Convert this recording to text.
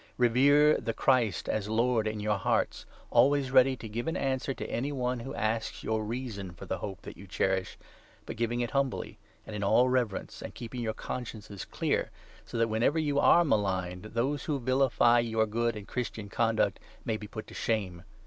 Revere the Christ as Lord in 15 your hearts ; always ready to give an answer to any one who asks your reason for the hope that you cherish, but giving it humbly and in all reverence, and keeping your consciences 16 clear, so that, whenever you are maligned, those who vilify your good and Christian conduct may be put to shame.